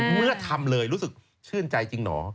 เมื่อทำเลยรู้สึกชื่นใจจริงเหรอ